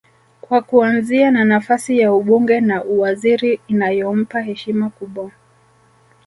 kwa kuanzia na nafasi ya ubunge na uwaziri inayompa heshima kubwa